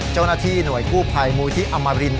เจ้าหน้าที่หน่วยกู้ภัยมูลที่อมริน